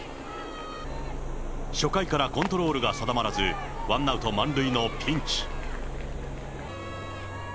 初回からコントロールが定まらず、ワンアウト満塁のピンチ。